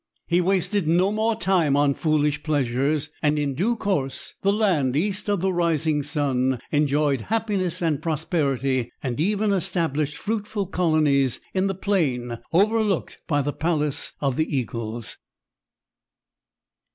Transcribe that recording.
He wasted no more time on foolish pleasures, and in due course the land East of the Rising Sun enjoyed happiness and prosperity and even established fruitful colonies in the plain overlooked by the Palace of the Eagles.